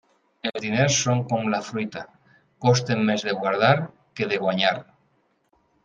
Els diners són com la fruita, costen més de guardar que de guanyar.